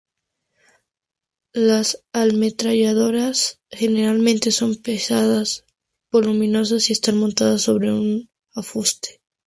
Las ametralladoras generalmente son pesadas, voluminosas y están montadas sobre un afuste.